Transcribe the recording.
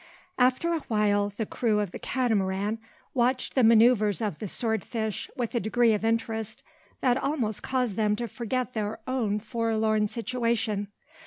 After a while the crew of the Catamaran watched the manoeuvres of the sword fish with a degree of interest that almost caused them to forget their own forlorn situation.